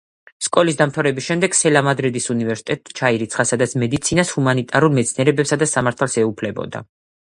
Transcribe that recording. სკოლის დამთავრების შემდეგ სელა მადრიდის უნივერსიტეტში ჩაირიცხა, სადაც მედიცინას, ჰუმანიტარულ მეცნიერებებსა და სამართალს ეუფლებოდა.